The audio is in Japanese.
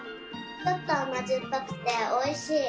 ちょっとあまずっぱくておいしい。